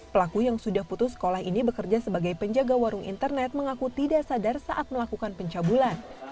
pelaku yang sudah putus sekolah ini bekerja sebagai penjaga warung internet mengaku tidak sadar saat melakukan pencabulan